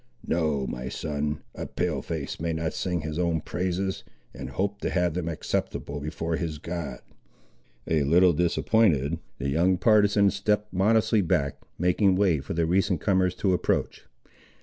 No, my son; a Pale face may not sing his own praises, and hope to have them acceptable before his God." A little disappointed, the young partisan stepped modestly back, making way for the recent comers to approach.